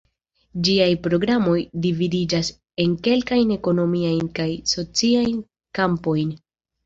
Ĝiaj programoj dividiĝas en kelkajn ekonomiajn kaj sociajn kampojn.